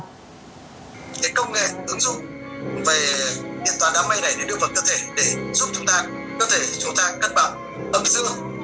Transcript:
công dụng về điện thoại đám mây này đưa vào cơ thể để giúp chúng ta cất bảo ấm dương